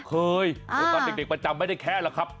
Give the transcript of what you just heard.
เคยเพราะว่าเด็กประจำไม่ได้แคร้ล่ะครับ